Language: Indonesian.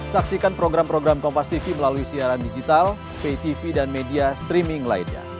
saksikan program program kompastv melalui siaran digital ptv dan media streaming lainnya